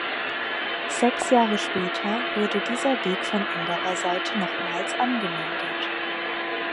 Sechs Jahre später wurde dieser Weg von anderer Seite nochmals angemeldet.